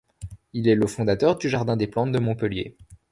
Il est le fondateur du jardin des plantes de Montpellier.